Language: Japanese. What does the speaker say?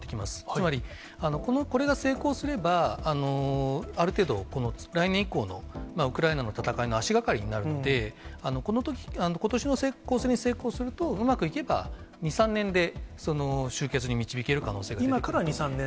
つまりこれが成功すれば、ある程度、この来年以降のウクライナの戦いの足がかりになって、このとき、これに成功すると、うまくいけば２、３年で終結に導今から２、３年。